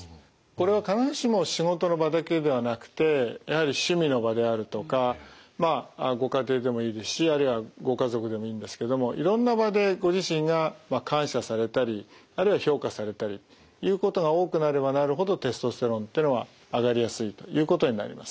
これは必ずしも仕事の場だけではなくてやはり趣味の場であるとかまあご家庭でもいいですしあるいはご家族でもいいんですけどもいろんな場でご自身が感謝されたりあるいは評価されたりということが多くなればなるほどテストステロンってのは上がりやすいということになります。